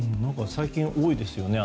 最近、多いですよね。